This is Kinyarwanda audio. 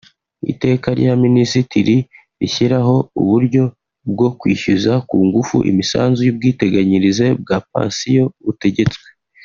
Iteka rya Minisitiri rishyiraho uburyo bwo kwishyuza ku ngufu imisanzu y’ubwiteganyirize bwa pansiyo butegetswe;